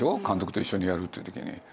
監督と一緒にやるっていう時に。